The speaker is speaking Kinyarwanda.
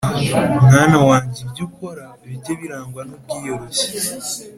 Mwana wanjye, ibyo ukora bijye birangwa n’ubwiyoroshye,